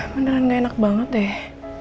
beneran gak enak banget deh